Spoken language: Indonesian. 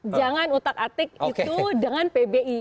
jangan utak atik itu dengan pbi